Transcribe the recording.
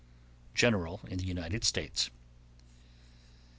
_General in the United States.